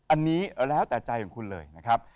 อันนี้แล้วแต่ใจของคุณเลยนะครับ